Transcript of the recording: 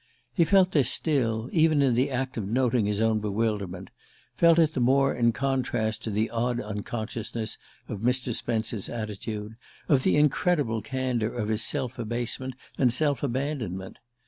He felt this still, even in the act of noting his own bewilderment felt it the more in contrast to the odd unconsciousness of Mr. Spence's attitude, of the incredible candour of his self abasement and self abandonment.